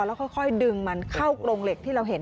แล้วค่อยดึงมันเข้ากรงเหล็กที่เราเห็น